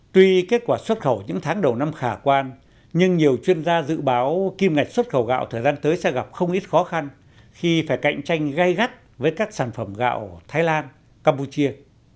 tuy kết quả xuất khẩu những tháng đầu năm khả quan nhưng nhiều chuyên gia dự báo kim ngạch xuất khẩu gạo thời gian tới sẽ gặp không ít khó khăn khi phải cạnh tranh gây gắt với các sản phẩm gạo thái lan campuchia